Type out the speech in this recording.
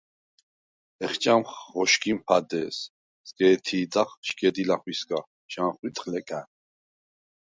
ეხჭამხ ღოშგიმ ფადე̄ს, სგ’ე̄თი̄დახ შგედი ლახვისგა, ჟანხვიტხ ლეკარ.